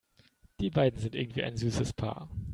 Die beiden sind irgendwie ein süßes Paar.